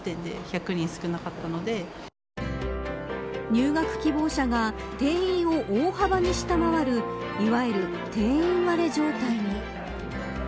入学希望者が定員を大幅に下回るいわゆる定員割れ状態に。